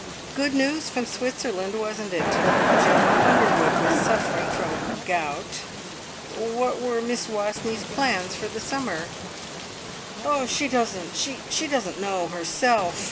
Good news from Switzerland, wasn't it? General Underwood was suffering from gout. What were Miss Wastneys' plans for the summer? "She she doesn't know herself!"